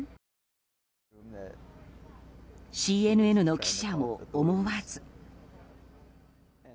ＣＮＮの記者も思わず。